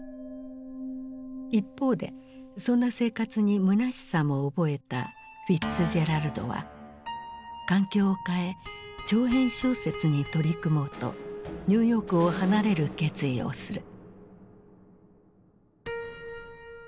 一方でそんな生活にむなしさも覚えたフィッツジェラルドは環境を変え長編小説に取り組もうとニューヨークを離れる決意をする。